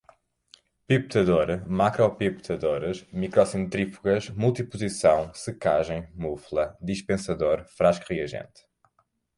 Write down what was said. pipetador, macropipetadores, microcentrífugas, multiposição, secagem, mufla, dispensador, frasco reagente